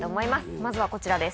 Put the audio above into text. まずはこちらです。